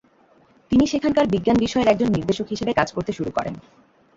তিনি সেখানকার বিজ্ঞান বিষয়ের একজন নির্দেশক হিসেবে কাজ করতে শুরু করেন।